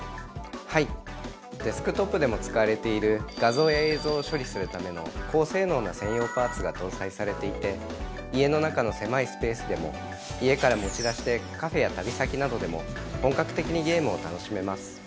はいデスクトップでも使われている画像や映像を処理するための高性能な専用パーツが搭載されていて家の中の狭いスペースでも家から持ち出してカフェや旅先などでも本格的にゲームを楽しめます。